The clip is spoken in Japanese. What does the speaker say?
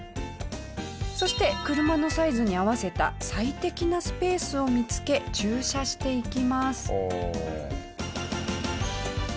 そして車のサイズに合わせた最適なスペースを見付け駐車していきます。